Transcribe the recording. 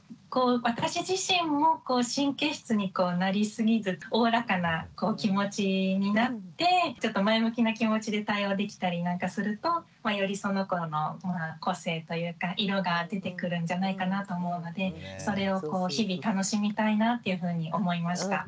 私自身も神経質になりすぎずおおらかな気持ちになってちょっと前向きな気持ちで対応できたりなんかするとよりその子の個性というか色が出てくるんじゃないかなと思うのでそれを日々楽しみたいなっていうふうに思いました。